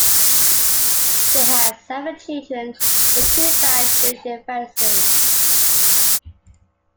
They had seven children, but two died during infancy.